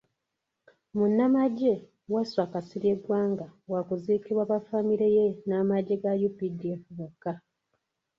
Munnamagye, Wasswa Kasirye Gwanga wakuziikwa ba famire ye n'amagye ga UPDF bokka.